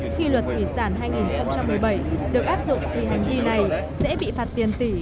khi luật thủy sản hai nghìn một mươi bảy được áp dụng thì hành vi này sẽ bị phạt tiền tỷ